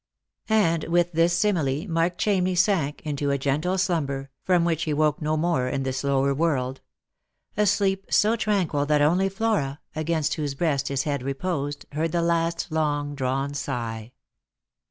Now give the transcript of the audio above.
And with this simile Mark Chamney sank into a gentle slumber, from which he woke no more in this lower world — a sleep so tranquil that only Mora, against whose breast his head reposed, heard the last long drawn sigh.